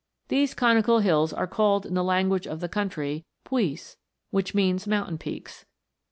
These conical hills are called in the language of the country " Puys" which means mountain peaks.